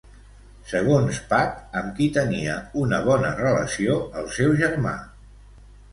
Segons Pat, amb qui tenia una bona relació el seu germà?